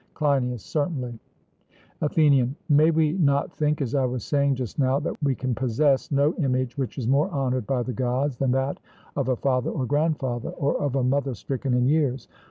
CLEINIAS: Certainly. ATHENIAN: May we not think, as I was saying just now, that we can possess no image which is more honoured by the Gods, than that of a father or grandfather, or of a mother stricken in years?